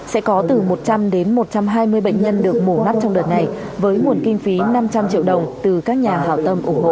sẽ có từ một trăm linh đến một trăm hai mươi bệnh nhân được mổ mắt trong đợt này với nguồn kinh phí năm trăm linh triệu đồng từ các nhà hào tâm ủng hộ